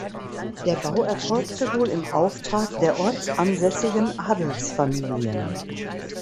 Der Bau erfolgte wohl im Auftrag der ortsansässigen Adelsfamilien.